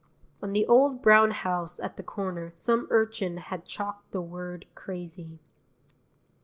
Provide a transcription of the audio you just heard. On the old brown house at the corner some urchin has chalked the word CRAZY.